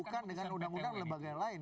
bukan dengan undang undang dan bagian lain